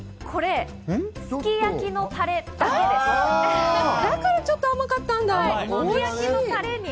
これ、すき焼きのタレだけでだからちょっと甘かったんだ。